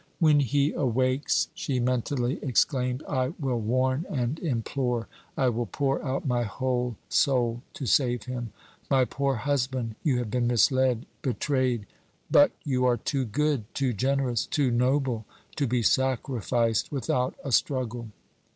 "When he awakes," she mentally exclaimed, "I will warn and implore; I will pour out my whole soul to save him. My poor husband, you have been misled betrayed. But you are too good, too generous, too noble to be sacrificed without a struggle."